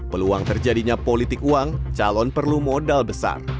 peluang terjadinya politik uang calon perlu modal besar